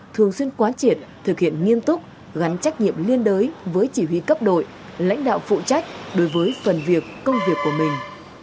thường xuyên quán triệt thực hiện nghiêm túc gắn trách nhiệm liên đới với chỉ huy cấp đội lãnh đạo phụ trách đối với phần việc công việc của mình